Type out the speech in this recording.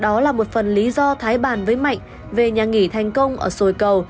đó là một phần lý do thái bàn với mạnh về nhà nghỉ thành công ở sồi cầu